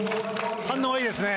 反応がいいですね。